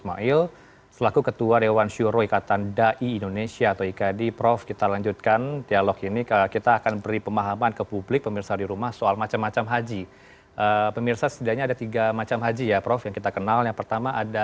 maksudnya dari yang terpisah antara